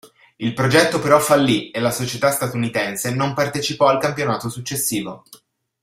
Il progetto però fallì e la società statunitense non partecipò al campionato successivo.